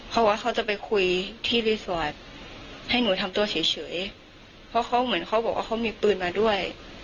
เขาว่าเขาจะไปคุยที่รีสอร์ทให้หนูทำตัวเฉยเพราะเขาเหมือนเขาบอกว่าเขามีปืนมาด้วย